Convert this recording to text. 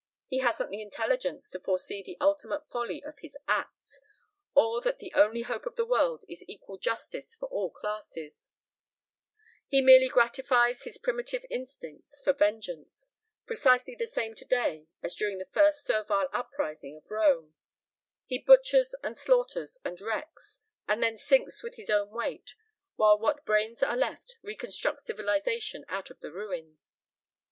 He hasn't the intelligence to foresee the ultimate folly of his acts, or that the only hope of the world is equal justice for all classes; he merely gratifies his primitive instinct for vengeance precisely the same today, as during the first servile uprising of Rome he butchers and slaughters and wrecks, and then sinks with his own weight, while what brains are left reconstruct civilization out of the ruins.